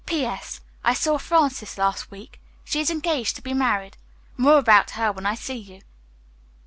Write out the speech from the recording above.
"P. S. I saw Frances last week. She is engaged to be married. More about her when I see you."